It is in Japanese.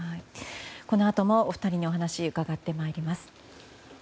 このあともお二人にお話を伺ってまいります。